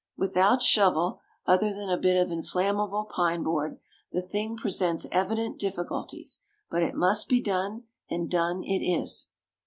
Without shovel, other than a bit of inflammable pine board, the thing presents evident difficulties: but it must be done; and done it is.